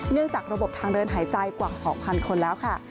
จากระบบทางเดินหายใจกว่า๒๐๐คนแล้วค่ะ